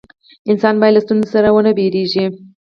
انسان باید له ستونزو ونه ویریږي.